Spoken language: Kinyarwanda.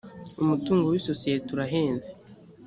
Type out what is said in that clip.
umutungo w ‘isosiyete urahenze.